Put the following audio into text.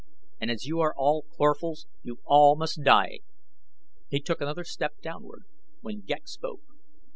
And as you are all Corphals you must all die." He took another step downward, when Ghek spoke.